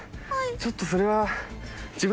ちょっとそれは。